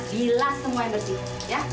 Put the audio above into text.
bilas semua yang bersih ya